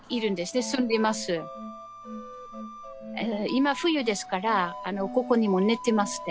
今冬ですからここにも寝てますね。